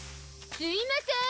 すいません！